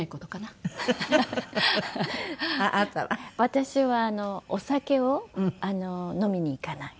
私はお酒を飲みに行かない。